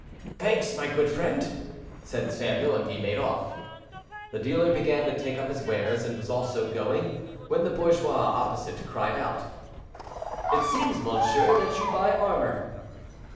"Thanks, my good friend," said Samuel, and he made off. The dealer began to take up his wares and was also going, when the bourgeois opposite cried out: "It seems, monsieur, that you buy armor."